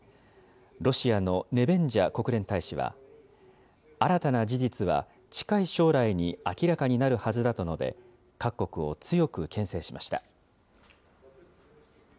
ロシアのネベンジャ国連大使は、新たな事実は、近い将来に明らかになるはずだと述べ、各国を強くけん制しました。